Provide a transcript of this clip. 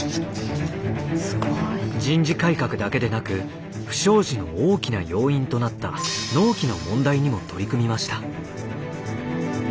人事改革だけでなく不祥事の大きな要因となった納期の問題にも取り組みました。